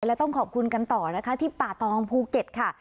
และต้องขอบคุณกันต่อนะคะที่ป่าตองภูเก็ตค่ะ